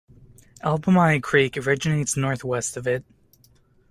Alpamayo Creek originates northwest of it.